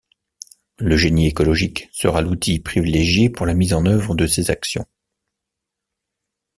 Le génie écologique sera l'outil privilégié pour la mise en œuvre de ces actions.